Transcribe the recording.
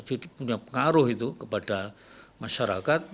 jadi punya pengaruh itu kepada masyarakat